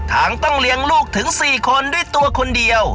ทั้งต้องเลี้ยงลูกถึง๔คนด้วยตัวคนเดียว